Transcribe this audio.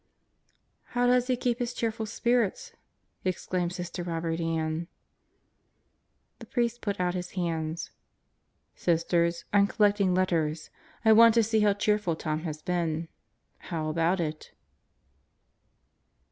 "How does he keep his cheerful spirits?" exclaimed Sister Robert Ann. The priest put out his hands. "Sisters, I'm collecting letters. I want to see how cheerful Tom has been. ... How about it?"